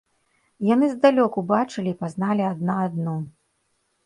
Яны здалёк убачылі і пазналі адна адну.